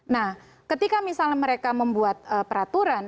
nah ketika misalnya mereka membuat peraturan